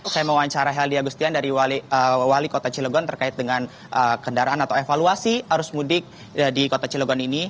saya mewawancara heli agustian dari wali kota cilegon terkait dengan kendaraan atau evaluasi arus mudik di kota cilegon ini